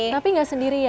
tapi nggak sendiri ya